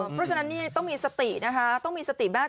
เพราะฉะนั้นนี่ต้องมีสตินะคะต้องมีสติมาก